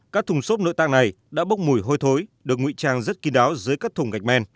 các thùng sốt nội tạng này đã bốc mùi hôi thối được ngụy trang rất kinh đáo dưới các thùng gạch men